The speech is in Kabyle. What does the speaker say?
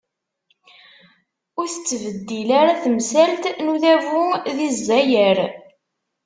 Ur tettbeddil ara temsalt n udabu di Zzayer.